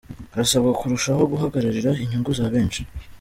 Harasabwa kurushaho guhagararira inyungu za benshi.